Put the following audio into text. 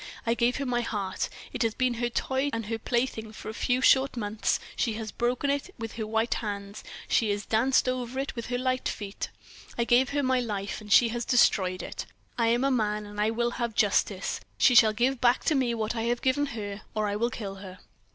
I gave her my heart it has been her toy and her plaything for a few short months, she has broken it with her white hands, she has danced over it with her light feet. I gave her my life, and she has destroyed it. I am a man, and I will have justice; she shall give back to me what I have given her, or I will kill her."